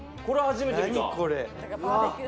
何これ？